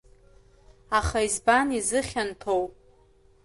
Аха избан изыхьанҭоу?